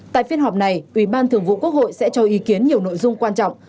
tại phiên họp này ủy ban thường vụ quốc hội sẽ cho ý kiến nhiều nội dung quan trọng